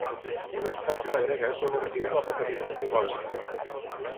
El mestratge a la grega és el negatiu de la paternitat biològica.